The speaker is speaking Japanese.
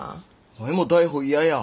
ワイも逮捕嫌や。